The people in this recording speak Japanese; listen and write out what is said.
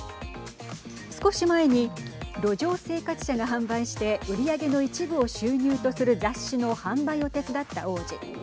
少し前に路上生活者が販売して売り上げの一部を収入とする雑誌の販売を手伝った王子。